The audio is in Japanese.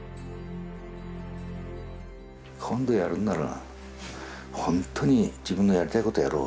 今度やるんなら本当に自分のやりたいことをやろう。